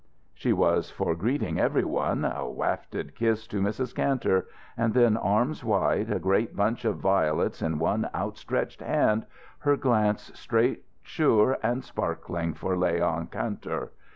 She was for greeting everyone, a wafted kiss to Mrs. Kantor, and then arms wide, a great bunch of violets in one outstretched hand, her glance straight sure and sparkling for Leon Kantor.